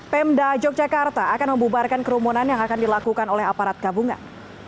pemda yogyakarta akan membubarkan kerumunan yang akan dilakukan oleh aparat gabungan